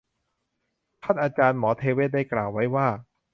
ท่านอาจารย์หมอเทเวศได้กล่าวไว้ว่า